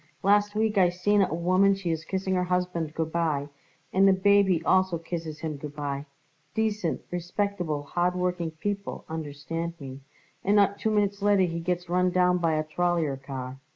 "Last week I seen it a woman she is kissing her husband good bye, and the baby also kisses him good bye decent, respectable, hard working people, understand me and not two minutes later he gets run down by a trollyer car.